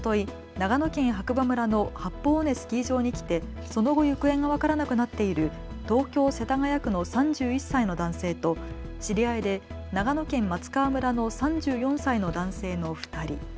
長野県白馬村の八方尾根スキー場に来てその後、行方が分からなくなっている東京世田谷区の３１歳の男性と知り合いで長野県松川村の３４歳の男性の２人。